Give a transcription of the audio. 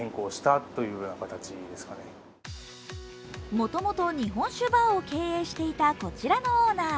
もともと日本酒バーを経営していた、こちらのオーナー。